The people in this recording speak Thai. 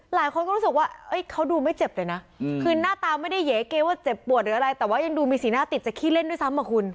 หลายคนก็รู้สึกว่าเขาดูไม่เจ็บเลยนะคือหน้าตาไม่ได้เหยะเกว่าเจ็บปวดหรืออะไรแต่ว่ายังดูมีสีหน้าติดจะขี้เล่นด้วยซ้ำอ่ะคุณ